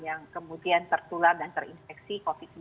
yang kemudian tertular dan terinfeksi covid sembilan belas